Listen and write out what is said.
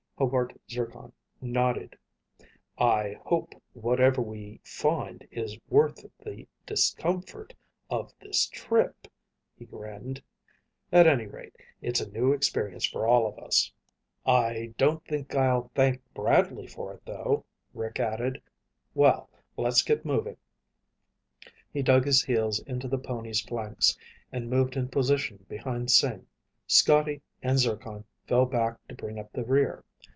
Hobart Zircon nodded. "I hope whatever we find is worth the discomfort of this trip." He grinned. "At any rate, it's a new experience for all of us." "I don't think I'll thank Bradley for it, though," Rick added. "Well, let's get moving." He dug his heels into the pony's flanks and moved into position behind Sing. Scotty and Zircon fell back to bring up the rear.